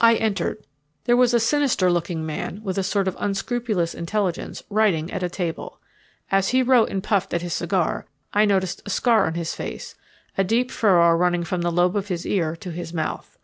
I entered. There was a sinister looking man, with a sort of unscrupulous intelligence, writing at a table. As he wrote and puffed at his cigar, I noticed a scar on his face, a deep furrow running from the lobe of his ear to his mouth.